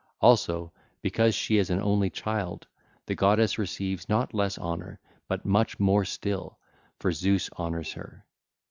Also, because she is an only child, the goddess receives not less honour, but much more still, for Zeus honours her.